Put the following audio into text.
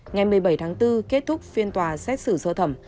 ngày một mươi bảy tháng bốn kết thúc phiên tòa xét xử sơ thẩm